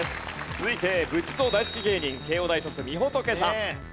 続いて仏像大好き芸人慶應大卒みほとけさん。